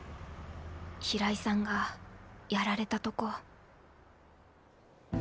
平井さんがやられたとこ。